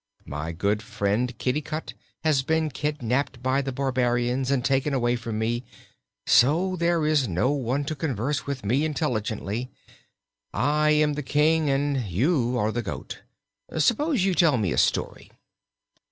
My good friend Kitticut has been kidnapped by the barbarians and taken from me, so there is no one to converse with me intelligently. I am the King and you are the goat. Suppose you tell me a story.